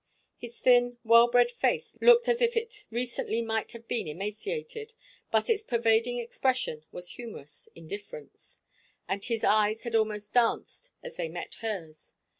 His thin, well bred face looked as if it recently might have been emaciated, but its pervading expression was humorous indifference, and his eyes had almost danced as they met hers.